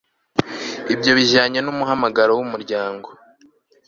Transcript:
ibyo bijyanye n'umuhamagaro w'umuryango